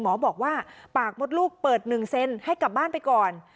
หมอบอกว่าปากมดลูกเปิด๑เซนให้กลับบ้านไปก่อน